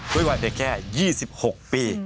ทวดิกว่าเป็นแค่๒๖ปี